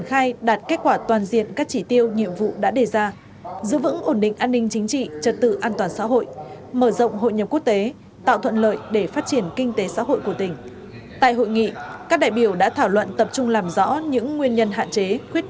hãy đăng ký kênh để ủng hộ kênh của chúng mình nhé